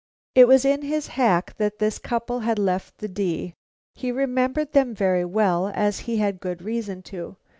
It was in his hack that this couple had left the D . He remembered them very well as he had good reason to.